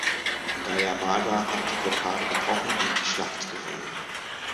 Gajah Mada hat die Blockade gebrochen und die Schlacht gewonnen.